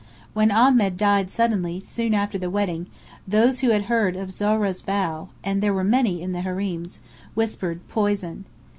When Ahmed died suddenly, soon after the wedding, those who had heard of Zohra's vow (and there were many in the harems) whispered "poison."